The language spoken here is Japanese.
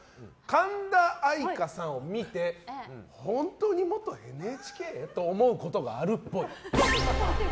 神田愛花さんを見て本当に元ＮＨＫ？と思うことがあるっぽい。